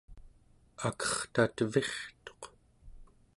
akerta tevirtuq